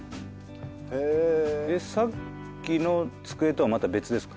さっきの机とはまた別ですか？